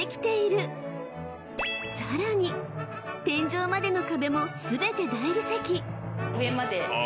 ［さらに天井までの壁も全て大理石］